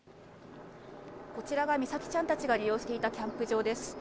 こちらが美咲ちゃんたちが利用していたキャンプ場です。